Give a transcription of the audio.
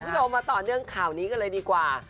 ก็มาต่อหน้องข่าวนี้กัน๑๒๓